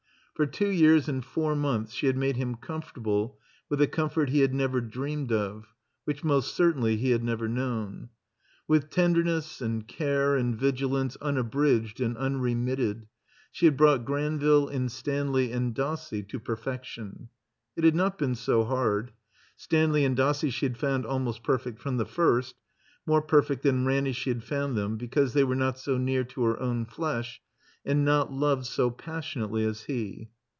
For two years and four months she had made him comfortable with a comfort he had never dreamed of, which most certainly he had never known. With tenderness and care and vigilance tm abridged and tmremitted, she had brought Gran ville and Stanley and Dossie to perfection. It had not been so hard. Stanley and Dossie she had found almost perfect from the first, more perfect than Ranny she had found them, because they were not so near to her own flesh, and not loved so passion ately as he.